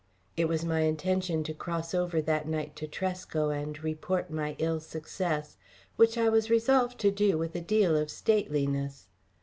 It was my intention to cross over that night to Tresco and report my ill success, which I was resolved to do with a deal of stateliness.